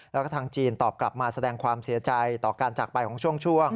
แล้วก็ทางจีนตอบกลับมาแสดงความเสียใจต่อการจากไปของช่วง